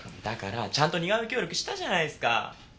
だからちゃんと似顔絵協力したじゃないっすか。